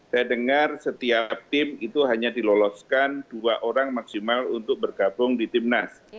saya dengar setiap tim itu hanya diloloskan dua orang maksimal untuk bergabung di timnas